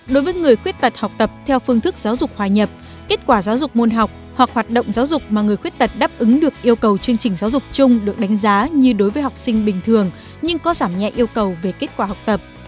một đối với người khuyết tật học tập theo phương thức giáo dục hòa nhập kết quả giáo dục môn học hoặc hoạt động giáo dục mà người khuyết tật đáp ứng được yêu cầu chương trình giáo dục chung được đánh giá như đối với học sinh bình thường nhưng có giảm nhẹ yêu cầu về kết quả học tập